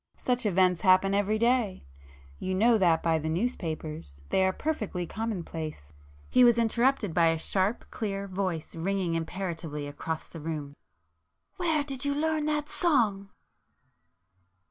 Such events happen every day,—you know that by the newspapers,—they are perfectly common place——" He was interrupted by a sharp clear voice ringing imperatively across the room— "Where did you learn that song?"